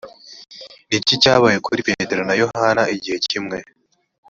ni iki cyabaye kuri petero na yohana igihe kimwe?